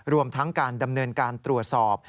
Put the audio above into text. รวมทั้งการดำเนินการตรวจสอบ